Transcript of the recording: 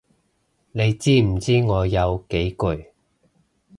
你知唔知我有幾攰？